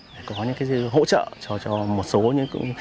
để có những hỗ trợ cho một số người